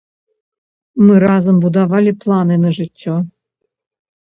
Мы разам будавалі планы на жыццё.